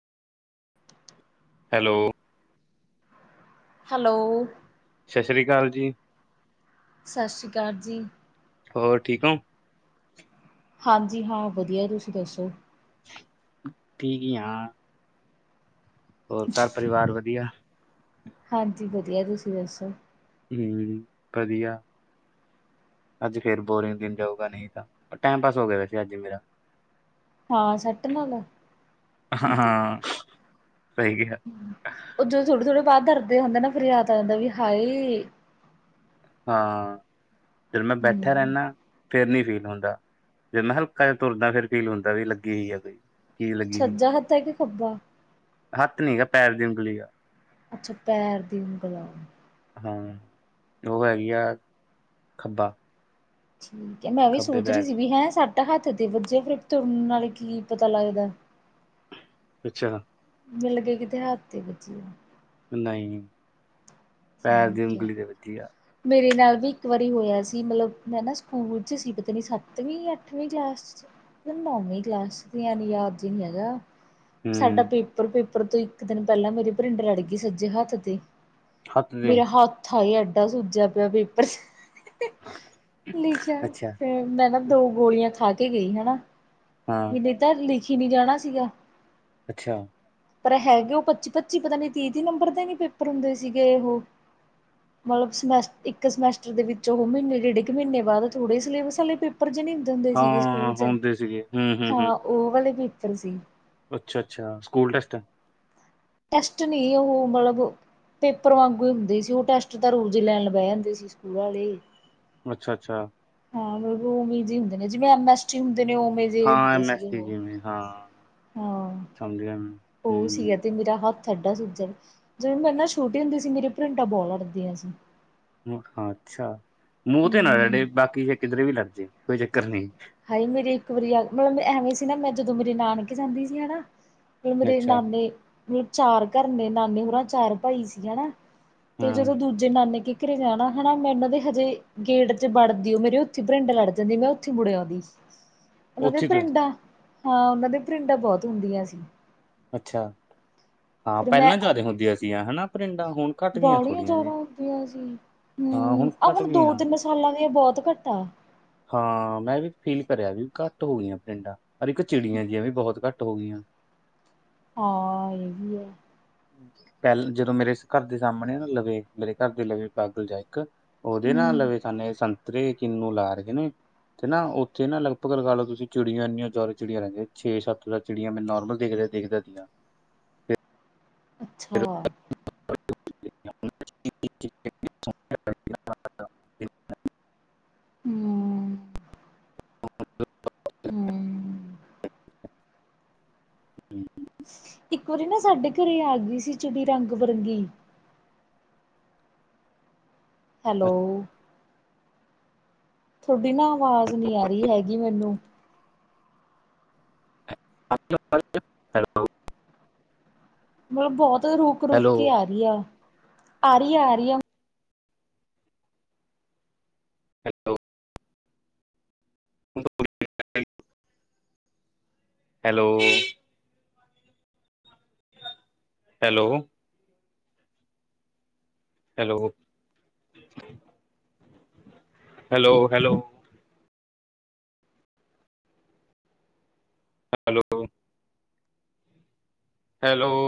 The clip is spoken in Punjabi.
ਹੈਲੋ ਹੈਲੋ ਸਤਿ ਸ੍ਰੀ ਅਕਾਲ ਜੀ। ਸਤਿ ਸ੍ਰੀ ਅਕਾਲ ਜੀ। ਹੋਰ ਠੀਕ ਓ। ਹਾਂਜੀ ਹਾਂ ਵਧੀਆ ਤੁਸੀਂ ਦੱਸੋ? ਠੀਕ ਈ ਆ। ਹੋਰ ਘਰ- ਪਰਿਵਾਰ ਵਧੀਆ। ਹਾਂਜੀ ਵਧੀਆ ਤੁਸੀਂ ਦੱਸੋ। ਹੂ ਵਧੀਆ। ਅੱਜ ਫੇਰ ਬੋਰਿੰਗ ਦਿਨ ਜਾਊਗਾ ਨਹੀਂ ਤਾਂ, ਟਾਈਮ ਪਾਸ ਹੋ ਗਿਆ ਵੈਸੇ ਅੱਜ ਮੇਰਾ। ਹਾਂ ਸੱਟ ਨਾਲ਼ ਆ। ਹਾਂ -ਹਾਂ ਸਹੀ ਹੈ। ਉਹ ਜਦੋਂ ਥੋੜੇ- ਥੋੜੇ ਬਾਦ ਦਰਦ ਜਾ ਹੁੰਦਾ ਨਾ, ਫੇਰ ਯਾਦ ਆ ਜਾਂਦਾ ਵੀ ਹਾਏ। ਹਾਂ, ਫਿਰ ਮੈਂ ਬੈਠਾ ਹੂੰ ਰਹਿਨਾ। ਫਿਰ ਨੀ ਫੀਲ ਹੁੰਦਾ, ਜੇ ਮੈਂ ਹਲਕਾ ਜਾ ਤੁਰਦਾ ਫਿਰ ਫੀਲ ਹੁੰਦਾ ਵੀ ਲੱਗੀ ਵੀ ਏ ਕੋਈ। ਕੀ ਲੱਗੀ ਸੀ, ਸੱਜਾ ਹੱਥ ਹੈ ਕਿ ਖੱਬਾ? ਹੱਥ ਨੀ ਗਾ ਪੈਰ ਦੀ ਉਂਗਲੀ ਆ। ਅੱਛਾ ਪੈਰ ਦੀ ਉਂਗਲ ਆ। ਹਾਂ ਓ ਹੈਗੀ ਆ, ਖੱਬਾ। ਠੀਕ ਐ ਮੈਂ ਵੀ ਖੱਬੇ ਸੋਚ ਰੀ ਪੈਰ ਸੀ ਦੀ, ਵੀ ਹੈਂ ਸੱਟ ਹੱਥ ਦੇ ਵੱਜੀ ਆ, ਫੇਰ ਤੁਰਨ ਨਾਲੇ ਕੀ ਪਤਾ ਲੱਗਦਾ। ਅੱਛਾ। ਮੈਨੂੰ ਲੱਗਿਆ ਕਿਤੇ ਹੱਥ ਤੇ ਵੱਜੀ ਆ। ਨਈ। ਠੀਕ ਐ। ਵੱਜੀ ਆ, ਮੇਰੇ ਨਾਲ ਵੀ ਇੱਕ ਵਾਰੀ ਹੋਇਆ ਸੀ ਮਤਲਬ ਮੈਂ ਨਾ ਸਕੂਲ 'ਚ ਸੀ ਪਤਾ ਨੀ ਸੱਤਵੀਂ - ਅੱਠਵੀਂ ਕਲਾਸ 'ਚ। ਪਤਾ ਨੀ ਨੌਵੀਂ ਕਲਾਸ ਸੀ ਐਮੇ ਯਾਦ ਜੀ ਨੀ ਹੈਗਾ। ਸਾਡਾ ਹੂੰ, ਪੇਪਰ-ਪੇਪਰ ਤੋਂ ਇੱਕ ਦਿਨ ਪੈਲਾਂ ਮੇਰੇ ਭਰਿੰਡ ਲੜ ਗੀ ਸੱਜੇ ਹੱਥ ਤੇ। ਹੱਥ ਤੇ, ਮੇਰਾ ਹੱਥ ਹਾਏ ਐਡਾ ਸੁੱਜਿਆ ਪਿਆ ਪੇਪਰ ਲਿਖਿਆ ਅੱਛਾ। ਫੇ ਮੈਂ ਨਾ ਦੋ ਗੋਲੀਆਂ ਖਾ ਕੇ ਗਈ ਹਨਾ। ਹਾਂ, ਵੀ ਨਈ ਤਾਂ ਲਿਖੀ ਨੀ ਜਾਣਾ ਸੀਗਾ। ਅੱਛਾ। ਪਰ ਹੈਗੇ ਓ ਪੱਚੀ- ਪੱਚੀ ਪਤਾ ਨੀ ਤੀ - ਤੀ ਨੰਬਰ ਦੇ ਨੀ ਪੇਪਰ ਹੁੰਦੇ ਸੀਗੇ ਉਹ। ਹ [inaudible] ਮਲਬ ਸਮੈਸ ਇੱਕ ਸਮੈਸਟਰ ਦੇ ਵਿੱਚ ਓ ਮੀਨੇ ਡੇਢ ਕੇ ਮੀਨੇ ਬਾਦ ਥੋੜ੍ਹੇ ਸਿਲੇਬਸ ਆਲੇ ਪੇਪਰ ਜੇ ਨੀ ਦੀਂਦੇ ਸੀਗੇ ਸਕੂਲ 'ਚ। ਕੀਤੇ ਸੀਗੇ ਹੂੰ। ਹੂੰ, ਹਾਂ ਹੂੰ ਓ ਵਲੇ ਪੇਪਰ ਸੀ। ਅੱਛਾ -ਅੱਛਾ ਸਕੂਲ ਟੈਸਟ। ਟੈਸਟ ਨੀ ਹੋ ਮਲਬ ਪੇਪਰ ਵਾਂਗੂ ਈ ਹੁੰਦੇ ਸੀ, ਓ ਟੈਸਟ ਤਾਂ ਰੋਜ਼ ਲੈਣ ਬੈ ਜਾਂਦੇ ਸੀ ਸਕੂਲ ਵਾਲੇ। ਅੱਛਾ- ਅੱਛਾ। ਹਾਂ ਮਲਬ ਓਵੀਂ ਜੀ ਹੁੰਦੇ ਨੇ, ਜਿਵੇਂ ਐਮ ਐਸ ਟੀ ਹੁੰਦੇ ਨੇ ਓਮੇ। ਹਾਂ ਐਮ ਐਸ ਟੀ ਜਿਮੇ ਹਾਂ। ਹਾਂ, ਸਮਝ ਗਿਆ ਓ ਮੈਂ ਸੀ ਅਤੇ ਮੇਰਾ ਹਥ ਏਡਾ ਸੁੱਜਿਆ, ਜਿਮੇ ਮੇਰੇ ਨਾ ਛੋਟੀ ਹੁੰਦੀ ਸੀ ਮੇਰੀ ਭਰਿੰਡਾਂ ਬੋ ਲੜਦੀਆਂ ਸੀ। ਹੂੰ ਹਾਂ ਅੱਛਾ, ਮੂੰਹ ਤੇ ਨਾ ਲੜੇ ਹੂੰ ਬਾਕੀ ਜੇ ਕਿੱਧਰੇ ਵੀ ਲੜ ਜੇ, ਕੋਈ ਚੱਕਰ ਨੀ। ਹਾਏ ਮੇਰੀ ਇੱਕ ਵਾਰੀ ਅਹ ਮਲਬ ਮੈ ਐਵੇਂ ਸੀ ਨਾ ਮੈਂ ਜਦੋਂ ਮੇਰੇ ਨਾਨਕੇ ਜਾਂਦੀ ਸੀ ਹਨਾ। ਮਲਬ ਮੇਰੇ ਅੱਛਾ ਨਾਨੇ, ਚਾਰ ਘਰ ਨੇ ਨਾਨੇ ਹੋਰਾਂ ਚਾਰ ਭਾਈ ਸੀ ਹਨਾ। ਤੇ ਜਦੋਂ ਹੂੰ ਦੁ ਜੇ ਨਾਨੇ ਕੇ ਘਰੇ ਜਾਣਾ ਹਨਾ, ਮੈਂ ਓਨਾ ਦੇ ਹਜੇ ਗੇਟ 'ਚ ਵੜਦੀਓ ਮੇਰੇ ਓਥੇ ਭਰਿੰਡ ਲੜ ਜਾਂਦੀ। ਮੈਂ ਓਥੇ ਮੁੜਓ ਦੀ, ਓਨਾ ਦੇ ਉੱਥੇ ਤੋਂ ਭਰਿੰਡਾਂ, ਹਾਂ ਓਨਾ ਦੇ ਭਰਿੰਡਾਂ ਬੋਤ ਹੁੰਦੀਆਂ ਸੀ। ਅੱਛਾ, ਹਾਂ ਫਿਰ ਮੈਂ ਪੈਲਾਂ ਜਾਦੇ ਹੁੰਦੀਆਂ ਸੀ ਹਨਾ, ਭਰਿੰਡਾਂ ਹੁਣ ਘੱਟ ਗਈਆਂ ਬਾਲੀਆਂ ਥੋੜ੍ਹੀਆਂ ਜਾਦਾ ਜਿਹੀਆਂ ਹੁੰਦੀਆਂ ਸੀ, ਹਾਂ ਹੂੰ ਆਹ ਘੱਟ ਹੁਣ ਦੋ ਗਈਆਂ। -ਤਿੰਨ ਸਾਲਾਂ ਦੀਆਂ ਬੋਤ ਘੱਟ ਆ। ਹਾਂ ਮੈਂ ਵੀ ਫੀਲ ਕਰਿਆ ਵੀ ਘੱਟ ਹੋ ਗੀਆਂ ਭਰਿੰਡਾਂ, ਇੱਕ ਚਿੜੀਆਂ ਜੀਆਂ ਵੀ ਬੋਤ ਘੱਟ ਹੋਗੀਆਂ। ਹਾਂ ਏ ਵੀ ਹੈ। ਪੈਲ ਜਦੋਂ ਮੇਰੇ ਘਰ ਦੇ ਸਾਮਣੇ ਆ ਨਾ ਲਵੇ ਮੇਰੇ ਘਰ ਦੇ ਲਵੇ ਪਾਗਲ ਜਾਂ ਇੱਕ ਓਦੇ ਨਾਲ ਹਮ ਲਵੇ ਸਾਨੇ ਸੰਤਰੇ ਕਿੰਨੂੰ ਲਾ ਰਹੇ ਨੇ। ਤੇ ਨਾ ਓਥੇ ਨਾ ਲਗਭਗ ਲਗਾ ਲਓਸੀਂ ਚੜੀਆਂ ਇਨੀਆਂ ਜ਼ਾਦਾ ਚਿੜੀਆਂ ਰੈਂਦੀਆਂ ਛੇ ਸੱਤ ਤ ਚਿੜੀਆਂ ਮੈਂ ਨੋਰਮਲ ਦੇਖ -ਦੇਖਦਾ ਸੀਗਾ। ਅੱਛਾ [inaudible] ਹੂੰਅ। ਹੂੰ। [inaudible] ਇੱਕ ਵਾਰੀ ਨਾ ਸਾਡੇ ਘਰੇ ਆ ਗਈ ਸੀ ਚਿੜੀ ਰੰਗ-ਬਿਰੰਗੀ। ਹੈਲੋ! ਥੋਡੀ ਨਾ ਆਵਾਜ਼ ਨੀ ਆ ਰੀ ਹੈਗੀ ਮੈਨੂੰ। ਹੈਲੋ [unintelligible] ਮਤਲਬ ਬੋਤ ਰੁਕ -ਰੁਕ ਕੇ ਹੈਲੋ ਆ ਰੀ ਆ, ਆ ਰੀ ਆ, ਆ ਰੀ ਆ। Hello. Hello. [unintelligible] Hello! Hello, hello hello. Hello. Hello!